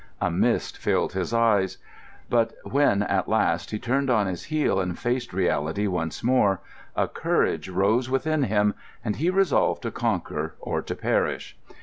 A mist filled his eyes; but when, at last, he turned on his heel and faced reality once more, a courage rose within him, and he resolved to conquer or to perish.